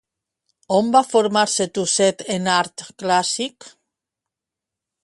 On va formar-se Tuset en art clàssic?